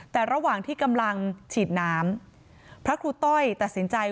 แต่ระหว่างที่กำลังฉีดน้ำพระครูต้อยตัดสินใจ